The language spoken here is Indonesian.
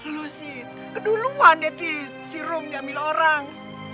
lu sih keduluan deh di serum diambil orang